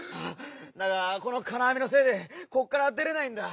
だがこの金あみのせいでこっから出れないんだ。